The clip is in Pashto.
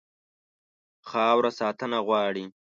خاوره ساتنه غواړي.